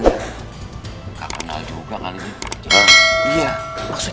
nggak kenal juga kali ini